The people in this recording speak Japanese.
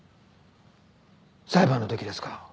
裁判の時ですか？